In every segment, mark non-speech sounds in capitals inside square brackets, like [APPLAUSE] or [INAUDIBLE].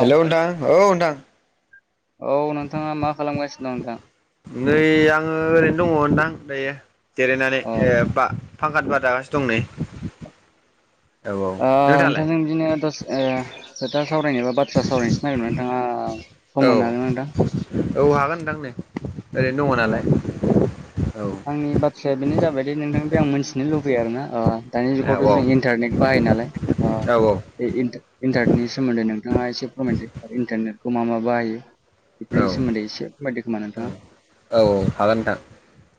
Hello नोंथां औ नोंथां। औ नोंथाङा मा खालामगासिनो दं नोंथां? नै आङो ओरैनो दङ नोंथां दायो जिरायनानै औ ए बा फांकानि बार जागासिनो दं नै। औ औ ओ नोंथाङालाय नोंथांजों बिदिनो दसे ओ खोथा सावरायनोबा बाथ्रा सावरायनोसै नागिरमोन नोंथाङा औ सम होनो हागोन ना नोंथां? औ हागोन नोंथां नै ओरैनो दङ औ नालाय औ। थ्राया बेनो जाबाय दि नोंथांनिफाय आं मिथिनो लुबैयो आरोना ओ दानि औ जुगावथ' जों इन्टारनेट बाहायो नालाय ओ बे इन्ट-इन्टारनेटनि सोमोन्दै नोंथाङा एसे फोरमायटि आरो इन्टारनेटखौ मा मा बाहायो औ बेफोरनि सोमोन्दै एसे फोरमायदो खोमा नोंथाङा औ औ हागोन नोंथां।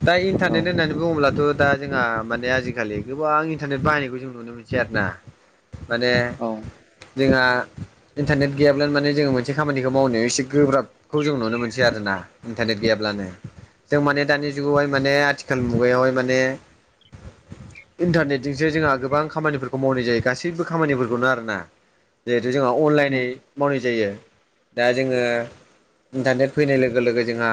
दा औ इन्टारनेट होननानै बुङोब्लाथ' दा जोंहा माने आजिखालि गोबां इन्टारनेट बाहायनायखौ जों नुनो मोनसै आरो ना। माने औ जोंहा इन्टारनेट गैयाब्लानो माने जोङो मोनसे खामानिखौ मावनायाव एसे गोब्राबखौ जों नुनो मोनसै आरो ना। इन्टारनेट गैयाब्लानो जों माने दानि जुगावहाय माने आथिखाल मुगायावहाय माने इन्टारनेटजोंसो जोंहा गोबां खामानिफोरखौ मावनाय जायो गासैबो खामानिफोरखौनो आरोना। जिहेथु जोंहा अनलाइनै मावनाय जायो दा जोङो इन्टारनेट फैनाय लोगो लोगो जोंहा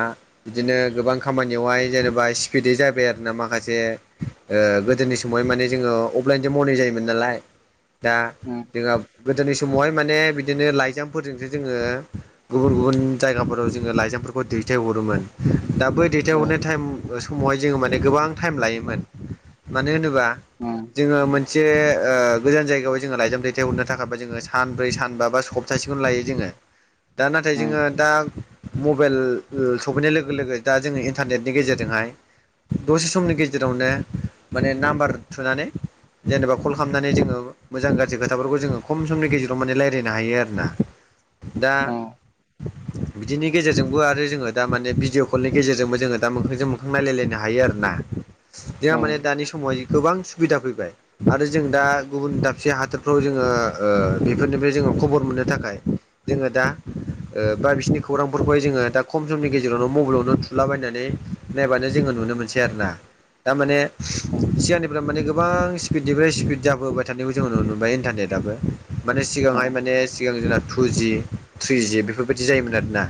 बिदिनो गोबां खामानियावहाय जेनेबा स्पिदै जाबाय आरो ना माखासे ओ गोदोनि समावहाय माने जोङो अपलाइनजों मावनाय जायोमोन नालाय। दा उम जोंहा गोदोनि समावहाय माने बिदिनो लाइजामफोरजोंसो जोङो गुबुन गुबुन जायगाफोराव जोङो लाइजामफोरखौ दैथायहरोमोन दा बै औ दैथायहरनाय टाइम ओ समावहाय जोङो माने गोबां टाइम लायोमोन मानो होनोबा उम जोङो मोनसे ओ गोजान जायगायाव जोङो लाइजाम दैथाय हरनो थाखायबा जोङो सानब्रै सानबा बा सब थासेखौनो लायो जोङो। [INAUDIBLE] दा नाथाय उम जोङो दा मबाइल ओ सफैनाय लोगो-लोगो दा जोङो इन्टारनेटनि गेजेरजोंहाय दसे समनि गेजेरावनो माने नाम्बार थुनानै जेनेबा कल खालामनानै जोङो मोजां-गाज्रि खोथाफोरखौ जोङो खम समनि गेजेराव माने रायलायनो हायो आरो ना। दा औ बिदिनि गेजेरजों बो आरो जोङो दा माने भिडिअ कलनि गेजेरजोंबो जोङो दा मोखांजों-मोखां नायलाय लायनो हायो आरो ना। औ जोंहा माने दानि समावहाय गोबां सुबिदा फैबाय। आरो जों दा गुबुन दाबसे हादोरफ्राव जोङो ओ बेफोरनिफ्राय जोङो खबर मोननो थाखाय जोङो दा ओ बा बिसिनि खौरांफोरखौ- जोङो दा खम समनि गेजेरावनो मबाइलावनो थुलाबायनानै नायबानो जोङो नुनो मोनसै आरो ना। दा माने जियानो माने गोबां स्पिडनिफ्राय स्पिड जाबोबाय थानायखौ जों नुनो मोनबाय इन्टारनेट आबो माने सिगांहाय माने सिगां जोंना टुजि थ्रिजि बेफोरबायदि जायोमोन आरोना।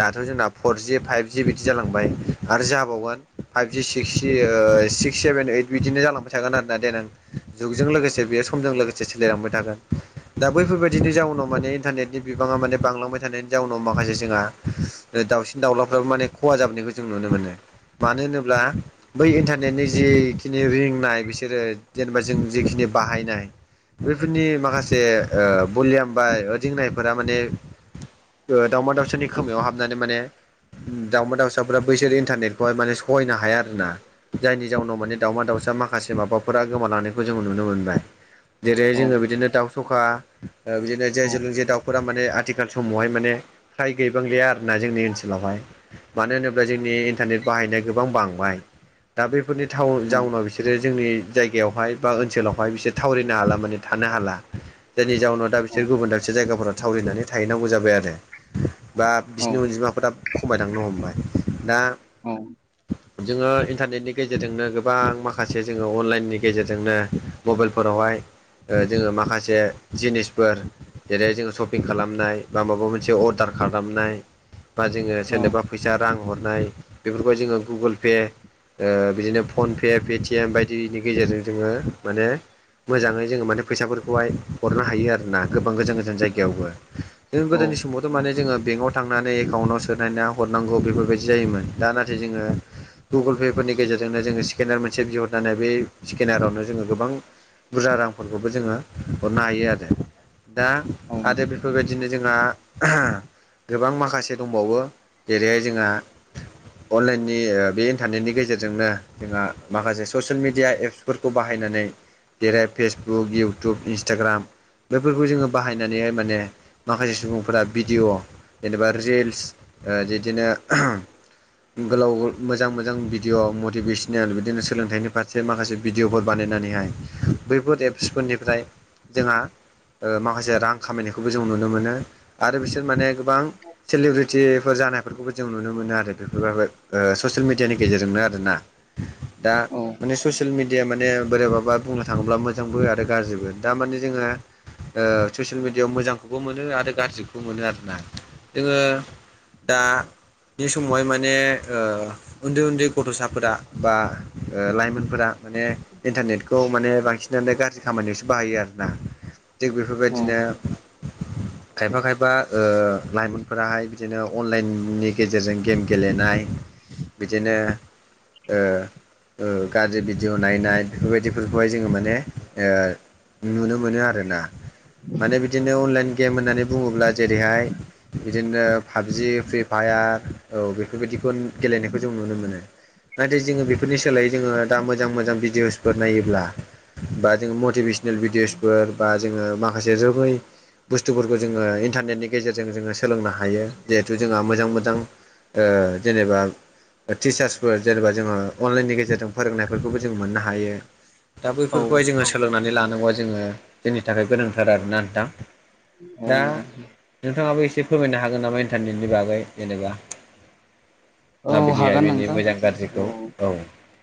दाथ' जोंना फरजि फाइभजि बिदि जालांबाय आरो जाबावगोन फाइभजि [UNINTELLIGIBLE] ओ सिक्स सेभेन ओइद बिदिनो जालांबाय थागोन आरोना देनां जुगजों लोगोसे बे समजों लोगोसे सोलायलांबाय थागोन। दा बैफोरबायदिनि जाउनाव माने इन्टारनेटनि बिबाङा माने बांलांबाय थानायनि जाउनाव माखासे जोंहा दाउसिन दाउलाफ्राबो माने खहा जाबोनायखौ जों नुनो मोनो मानो होनोब्ला बै इन्टारनेटनि जिखिनि रिंनाय बिसोरो जेनेबा जों जिखिनि बाहायनाय बेफोरनि माखासे ओ भलियाम बा रिंनायफोरा माने ओ दाउमा-दाउसा नि खोमायाव हाबनानै माने दावमा-दाउसाफोरा बैसोरो इन्टारनेट बेवहाय माने सहायनो हाया आरोना। जायनि जाउनाव माने दावमा-दाउसा माखासे माबाफोरा गोमालांनायखौ जोंङो नुनो मोनबाय। जेरै जोङो बिदिनो दाउ स'खा ओ बिदिनो जे औ जोलुंजे दाउ फोरा माने आथिखाल समावहाय माने फ्राय गैबांलिया आरोना जोंनि ओनसोलावहाय। मानो होनोब्ला जोंनि इन्टारनेट बाहायनाया गोबां बांबाय। दा बेफोरनि थिउन औ जाउनाव बिसोरो जोंनि जायगायावहाय बा ओनसोलावहाय बिसोर थावरिनो हाला माने थानो हाला। जायनि जाउनाव दा औ बिसोर गुबुन दाबसे जायगाफोराव थावरिनानै थाहैनांगौ जाबाय आरो। बा औ बिसिनि अनजिमाफोरा खमाय लांनो हमबाय। दा औ जोङो इन्टारनेटनि गेजेरजोंनो गोबां माखासे जोङो अनलाइननि गेजेरजोंनो मबाइलफोरावहाय ओ जोङो माखासे जिनिसफोर जेरै जोङो सपिं खालामनाय बा माबा मोनसे अर्डार खालामनाय बा जोङो औ सोरनोबा फैसा रां हरनाय। बेफोरखौ जोङो गुगोल पे ओ बिदिनो फन पे पेटिएम बायदिनि गेजेरजों जोङो माने मोजाङै जोङो माने फैसाफोरखौहाय हरनो हायो आरो। ना गोबां गोजान-गोजान जायगायावबो। जों गोदोनि समावथ' माने जोङो बेंकआव थांनानै एकाउन्टाव सोलायना हरनांगौ बेफोरबायदि जायोमोन। दा नाथाय जोङो गुगोल पे फोरनि गेजेरजोंनो जोङो स्केनार मोनसे बिहरनानै बे स्केनारावनो जोङो गोबां बुरजा रांफोरखौबो जोङो हरनो हायो आरो। दा आरो बेफोरबायदिनो जोंहा [UNINTELLIGIBLE] गोबां माखासे दंबावो जेरैहाय जोंहा अनलाइननि ओ बे इन्टारनेटनि गेजेरजोंनो जोंहा माखासे ससियेल मिडिया एप्स- फोरखौ बाहायनानै जेरै फेसबुक, इउटुब, इन्सटाग्राम बेफोरखौ जोङो बाहायनानै माने माखासे सुबुंफोरा भिडिअ' जेनेबा रिल्स बिदिनो [UNINTELLIGIBLE] गोलाव मोजां-मोजां भिडिअ मटिभेसनेल बिदिनो सोलोंथाइनि फारसे माखासे भिडिअ'फोर बानायनानैहाय। बैफोर एप्सफोरनिफ्राय जोंहा ओ माखासे रां खामायनायखौबो जों नुनो मोनो। आरो बिसोर माने गोबां सिलिब्रिटिफोर जानायफोरखौबो जों नुनो मोनो आरो बेफोर [UNINTELLIGIBLE] ससियेल मिडियानि गेजेरजोंनो आरोना। दा औ माने ससियेल मिडिया मा बे बोरैबाबा बुंनो थाङोब्ला मोजांबो आरो गाज्रिबो दामाने जोङो ओ ससियेल मिडियायाव मोजांखौबो मोनो आरो गाज्रिखौबो मोनो आरोना। जोङो दा बे समावहाय माने ओ उन्दै-उन्दै गथ'साफोरा बा ओ लाइमोनफोरा माने ए इन्टारनेटखौ माने बांसिनानो गाज्रि खामानियावसो बाहायो आरोना। थिग बेफोरबायदिनो खायफा-खायफा ओ लाइमोनफोराहाय बिदिनो अनलाइननि गेजेरजों गेम गेलेनाय बिदिनो ओ ओ गाज्रि भिडिअ' नायनाय बेफोरबायदिफोरखौहाय जोङो माने ओ नुनो मोनो आरो ना। माने बिदिनो अनलाइन गेम होननानै बुङोब्ला जेरैहाय बिदिनो पाबजि फ्रि फायार औ बेफोरबायदिखौ गेलेनायखौ जों नुनो मोनो। नाथाय जोङो बेफोरनि सोलायै जोङो दा मोजां-मोजां भिडिअसफोर नायोब्ला बा जोङो मटिभेसनेल भिडिअ'सफोर बा जोङो माखासे जोबै- बुस्थुफोरखौ जोङो इन्टारनेटनि गेजेरजों जोङो सोलोंनो हायो। जिहेथु जोंहा मोजां-मोजां ओ जेनेबा टिचार्सफोर जेनेबा जोङो अनलाइननि गेजेरजों फोरोंनायफोरखौबो जों मोननो हायो। दा औ बैफोरखौहाय जोङो सोलोंनानै लानांगौआ जोङो जोंनि थाखाय गोनांथार आरोना ना नोंथां। औ दा नोंथां। नोंथाङाबो एसे फोरमायनो हागोन नामा इन्टारनेटनि बागै जेनेबा। औ माबायदिहाय हागोन बिनि नोंथां मोजां गाज्रिखौ औ।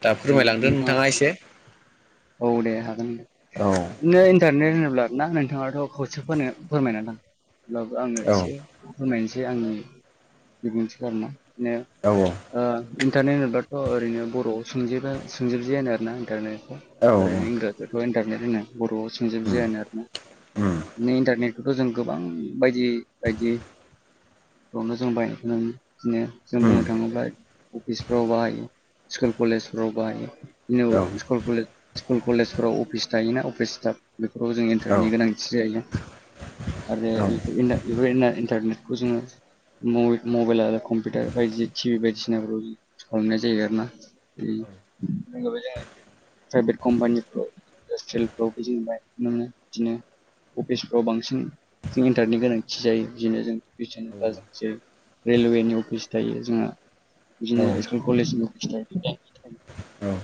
दा फोरमायलांदो नोंथाङा एसे औ दे हागोन नोंथां। औ। बिदिनो इन्टारनेट होनोब्ला ना नोंथाङाथ' खावसेखौनो फोरमायना [UNINTELLIGIBLE] अब्लाबो आङो औ एसे फोरमायनोसै आंनि बिबुंथिखौ आरोना [UNINTELLIGIBLE] औ-औ। ओ इन्टारनेट होनोबाथ' ओरैनो बर'आव सोंजेबा सोंजेबजे होनो आरो ना इन्टारनेटखौ औ उम ओरैनो इंराजियावथ' इन्टारनेट होनो बर'आव सोंजेबजे होनो आरोना उम बिनो इन्टारनेट बेफोरखौ जों गोबां बायदि-बायदि बिदिनो जों उम बुंनो थाङोब्ला अफिसफ्राव बाहायो स्कुल कलेजफ्राव बाहायो। औ [UNINTELLIGIBLE] स्कुल कलेज स्कुल कलेजफोराव अफिस थायोना अफिस स्टाब बेफोराव जों औ इन्टारटनि गोनांथि जायो आरो औ बेफोरनिनो बेबायदिनो इन्टारनेटखौ जोङो मबे-मबाइल आरो कम्पिउटार बायदि टिभि बायदिसिनाफोराव युज खालामनाय जायो आरो ना। [UNINTELLIGIBLE] प्राइभेट कम्पानिफ्राव इन्डास्ट्रियेलफ्राव [UNINTELLIGIBLE] बिदिनो अफिसफ्राव बांसिन जों इन्टारनेटनि गोनांथि जायो बिदिनो जों बिदिनो औ दा जों जेरै रेलवे नि अफिस थायो जोंहा औ बिदिनो [UNINTELLIGIBLE] कलेज [UNINTELLIGIBLE] औ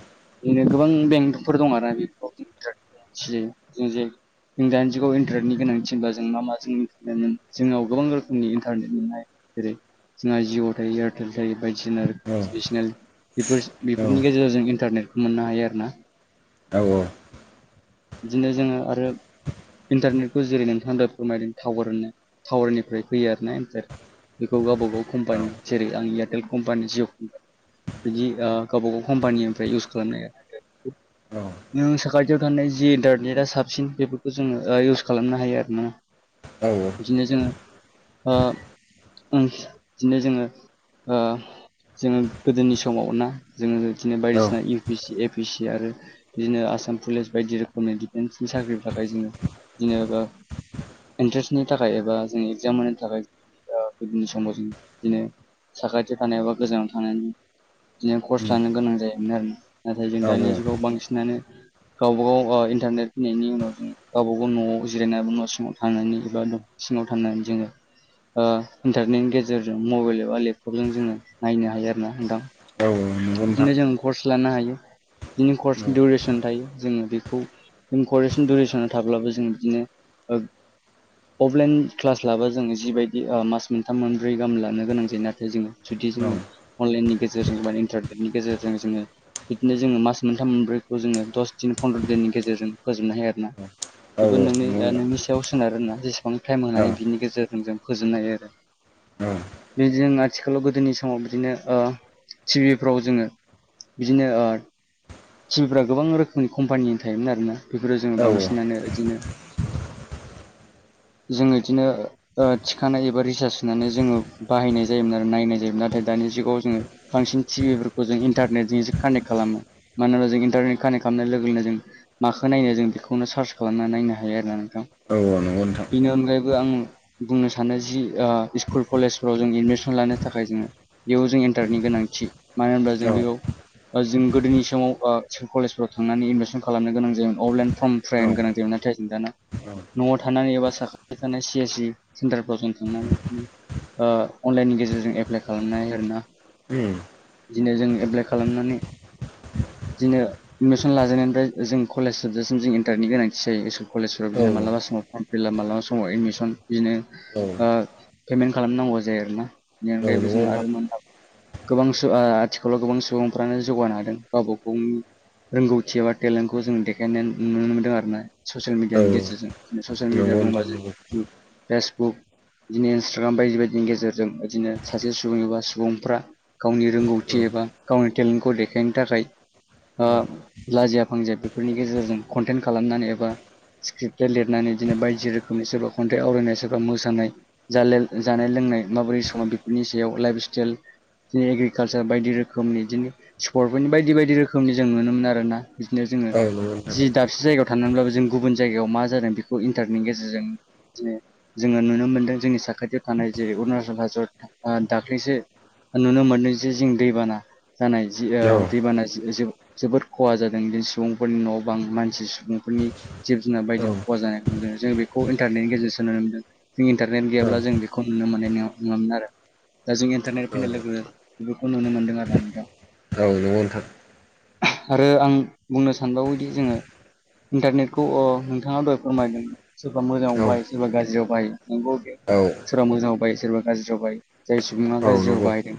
बिदिनो गोबां बेंकफोर दं आरो बेफोराव [UNINTELLIGIBLE] जों दानि जुगाव इन्टारनेटनि गोनांथि होनबा जों मा-मा [UNINTELLIGIBLE] जोंनाव गोबां रोखोमनि इन्टारनेट नुनाय जेरै जोंहा जिअ' थायो एयारटेल थायो बायदिसिना औ रो औ सेसनेल बेफोरनि गेजेराव जों इन्टारनेटखौ मोननो हायो आरोना। औ-औ। बिदिनो जोङो आरो इन्टारनेटखौ जेरै नोंथाङा दा फोरमायदों टावार-टावारनिफ्राय फैयो आरो ना इन्टार बेखौ गावबा गाव कम्पानि जेरै आं एयारटेल कम्पानि जिअ कम्पा बिदि ओ गावबा गाव कम्पानिनिफ्राय इउस खालामनाय [UNINTELLIGIBLE] खाथियाव थानाय जि इन्टारनेटआ साबसिन बेफोरखौ जोङो इउस खालामनो हायो आरो ना। औ बिदिनो जोङो ओ बिदिनो जोङो ओ जोङो गोदोनि सम दंबावो ना जोङो बिदिनो बायदिसिना इ बि सि, ए पि सि आरो बिदिनो आसाम पुलिस बायदि रोखोमनि डिफेन्सनि साख्रिनि थाखाय जोङो बिदिनो‌ ओ इन्ट्रेन्सनि थाखाय एबा जोंनि एगजाम होनो थाखाय बिदिनो समाव जों बिदिनो साखाथियाव थानाय एबा गोजानाव थानानै बिदिनो कर्स लानो गोनां जायोमोन आरो नाथाय जों दानि जुगाव बांसिनानो गावबा गाव ओ इन्टारनेट फैनायनि उनाव जों गावबा गाव न'आव जिरायनानै न' सिङाव थानानै एबा सिङाव थानानै जोङो ओ इन्टारनेटनि गेजेरजों मबाइल एबा लेपटपजों जोङो नायनो हायो आरो ना नोंथां। औ नोंथां बिदिनो जों कर्स लानो हायो बिनो औ कर्स दिवरेस [UNINTELLIGIBLE] थायो जोङो बेखौ जों करेसन दुरेसनाव थाब्लाबो जों बिदिनो ओ अफलाइन क्लास लाबा जोङो जिबायदि मास मोनथाम मोनब्रै गाहाम लानो गोनां जायो नाथाय जोङो जुदि औ जोङो अनलाइननि गेजेरजों बा बिदिनो जोङो मास मोनथाम मोनब्रैखौ जोङो दस दिन फन्द्र' दिननि गेजेरजों फोजोबनो हायो आरो ना। औ [UNINTELLIGIBLE] औ नंगौ नोंथां नोंनि-नोंनि सायाव सोनारो ना जेसेबां टाइम होनो औ हायो बिनि गेजेरजों जों फोजोबनो हायो आरो। बे जों आथिखालाव गोदोनि समाव बिदिनो ओ टिभिफ्राव जोङो बिदिनो ओ टिभिफ्रा गोबां रोखोमनि कम्पानिनि थायोमोन आरोना बेफोराव जोङो औ बांसिनानो बिदिनो जोङो इदिनो ओ थिखानाय एबा रिसार्ज सोनानै जोङो बाहायनाय जायोमोन आरो नायनाय जायोमोन नाथाय दानि जुगाव जोङो बांसिन टिभिफोरखौ जों इन्टारनेटजों एसे कानेक्ट खालामो मान होनोबा जों इन्टारनेट कानेक्ट खालामनाय लोगो लोगोनो माखौ नायनो जों बेखौनो सार्च खालामनानै नायनो हायो आरो ना नोंथां। औ औ नंगौ नोंथां। बेनि अनगायैबो आं बुंनो सानो जि ओ स्कुल कलेजफोराव एडमिसन लानो थाखाय जों बेयाव जों इन्टार्नेटनि गोनांथि, मानो होनब्ला जों औ बेयाव बा जों गोदोनि समाव ओ स्कुल कलेजफोराव थांनानै एडमिसन खालामनो गोनां जायोमोन अफलाइन औ फर्म [UNINTELLIGIBLE] गोनां दिहुनाय थाइम गैला ना। न'आव थानानै एबा साखाथि थानाय सि एस सि सेन्टारफोराव जों थांनानै ओ अनलाइननि गेजेरजों एप्लाइ खालामनाय आरो ना। उम बिदिनो जों एप्लाइ खालामनानै बिदिनो एडमिसन लाजेनायनिफ्राय जों कलेज जोबजासिम जों इन्टारनि गोनांथि जायो स्कुल कलेजफोराव बिदिनो मालाबा समाव। पर्म फिलआफ मालाबा समाव एडमिसन बिदिनो औ ओ पेमेन्ट खालामनांगौ जायो आरो ना। बेनि औ अनगायबो नंगौ जों नोंथां आरो मोनबाय गोबां सु ओ आथिखालाव गोबां सुबुंफ्रानो जौगानो हादों गावबा गावनि रोंगौथि एबा टेलेन्टखौ जों देखायनाय नुनो मोनदों आरो ना ससियेल औ मिडियानि गेजेरजों। ससियेल नंगौ मिडिया नोंथां बुङोबा जों नंगौ इउटुब फेसबुक बिदिनो इन्सटाग्राम बायदि बायदिनि गेजेरजों बिदिनो सासे सुबुं एबा सुबुंफ्रा गावनि औ रोंगौथि एबा गावनि टेलेन्टखौ देखायनो थाखाय ओ औ लाजिया फांजिया बेफोरनि गेजेरजों कन्टेन्ट खालामनानै एबा स्क्रिप्टटेट लिरनानै बिदिनो बायदि रोखोमनि सोरबा खन्थाइ आवरायनाय सोरबा मोसानाय जालेल जानाय लोंनाय माबोरै समाव बेफोरनि सायाव लाइफ स्टाइल एग्रिकालसार बायदि रोखोमनि बिदिनो स्पर्टफोरनि बायदि बायदि रोखोमनि जों नुनो मोनो आरो ना। बिदिनो जोङो औ नंगौ नोंथां जि दा दाबसे जायगायाव थांनानैब्लाबो जों गुबुन जायगायाव मा जादों बेखौ इन्टारनेटनि गेजेरजों जोङो नुनो मोनदों जोंनि साखाथियाव थानाय जेरै अरुणाचल हादर दाख्लैसो नुनो मोनदों जे जों दैबाना जानाय जि ओ औ दैबाना जोबोद खहा जादों बिदि सुबुंफोरनि न' बां मानसि सुबुंफोरनि जिब जुनार औ बायदिबो खहा जानाय नुदों जों बेखौ इन्टारनेटनि गेजेर सो नुनो मोनदों जों इन्टारनेट गैयाब्ला जों बेखौ नुनो मोननाय नङामोन आरो दा जों इन्टारनेट फिनो लोगो बेफोरखौ नुनो मोनदों आरो ना नोंथां औ नंगौ नोंथां आरो आं बुंनो सानबावोदि जोङो इन्टारनेटखौ अ नोंथाङा दहाय फोरमायदों सोरबा औ मोजाङाव बाहायो सोरबा गाज्रियाव बाहायो नंगौ दे औ सोरबा मोजाङाव बाहायो सोरबा गाज्रियाव बाहायो जाय सुबुङा गाज्रियाव नंगौ औ बाहायदों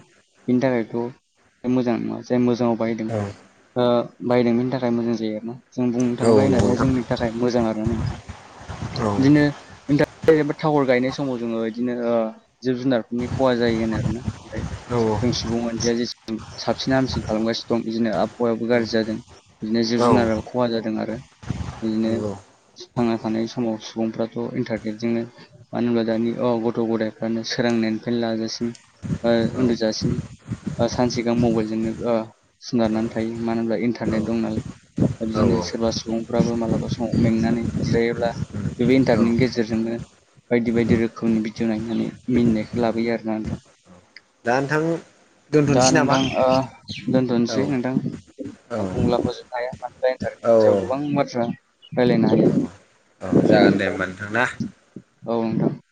बेनि थाखायथ' मोजां नङा जाय मोजाङाव बाहायदों औ ओ बाहायदों बेनि थाखाय मोजां जायो आरो ना जों बुंनो नंगौ थाङोब्ला जों होननानै नोंथां औ जोंनि थाखाय मोजां आरो नोंथां। बिदिनो इन्टारनेट एबा टावार गायनाय समाव जोङो बिदिनो जिब जुनारफोरनि खहा जायो होनो आरो ना। फ्राय औ जों औ सुबुं मानसिया जेसेबां साबसिन हामसिन खालामगासिनो दं बिदिनो औ आबहावायाबो नंगौ गाज्रि औ जादों। बिदिनो जिब औ जुनाराबो खहा जादों आरो बिदिनो थांना थानाय समाव सुबुंफ्राथ' इन्टारनेटजोंनो मानो होनब्ला दानि अ गथ' गथायफ्रानो सोरांनायनिफ्रायनो लाजासिम ओ उन्दुजासिम ओ सानसेगां मबाइलजोंनो ओ सोनारनानै थायो मानो होनबब्ला इन्टारनेट दं नालाय बिदिनो सोरबा सुबुंफ्राबो मालाबा समाव मेंनानै जिरायोब्ला बे इन्टारनेटनि गेजेरजोंनो बायदि बायदि रोखोमनि भिडिअ नायनानै मिनिनायखौ लाबोयो आरोना नोंथां दा ओनथां दा नोंथां ओ औ दोनथ'नोसै नोंथां बुङोब्ला फोजोबनो हाया दा औ इन्टार्ननि सायाव गोबां बाथ्रा रायलायनो औ हायो औ जागोन बेबायदि दे होमबा नोंथां ना औ नोंथां